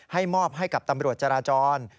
มอบให้กับตำรวจจราจร